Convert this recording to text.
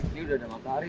ini udah damat hari